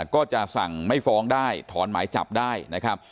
ก็จะสั่งไม่ฟ้องได้ถอนหมายจับได้นะครับ